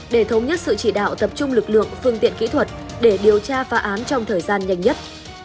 để thống nhất sự chỉ đạo tập trung lực lượng phương tiện kỹ thuật để điều tra phá án trong thời gian nhanh nhất